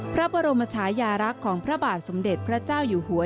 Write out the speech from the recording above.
พระบรมชายารักษ์ของพระบาทสมเด็จพระเจ้าอยู่หัว